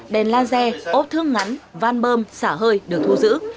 đèn laser ốp thương ngắn van bơm xả hơi được thu giữ